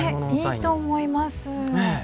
いいと思います。